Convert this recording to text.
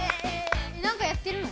何かやってるの？